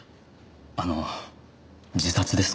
あの自殺ですか？